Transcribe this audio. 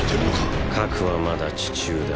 ⁉核はまだ地中だ。